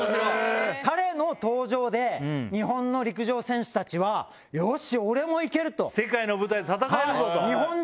彼の登場で日本の陸上選手たちは「よし俺も行ける」と。